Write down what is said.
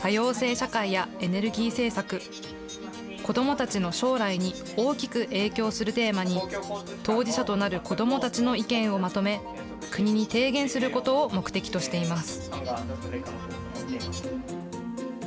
社会やエネルギー政策、子どもたちの将来に大きく影響するテーマに、当事者となる子どもたちの意見をまとめ、国に提言することを目的としています。